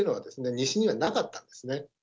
西にはなかったんですね。